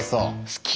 好き